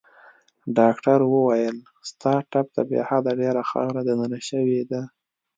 ډاکټر وویل: ستا ټپ ته بې حده ډېره خاوره دننه شوې ده.